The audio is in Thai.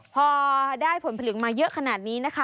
พอได้ผลผลิตมาเยอะขนาดนี้นะคะ